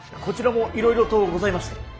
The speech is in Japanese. こちらもいろいろとございまして。